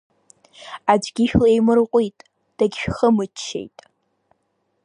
Аӡәгьы шәлаимырҟәит, дагьышәхымччеит…